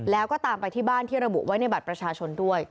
แล้วก็ตามไปที่บ้านที่ระบุไว้ในบัตรประชาชนด้วย